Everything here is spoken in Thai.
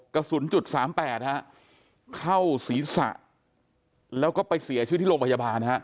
กระสุนจุด๓๘ครับเข้าศรีษะแล้วก็ไปเสียชีวิตที่โรงพยาบาล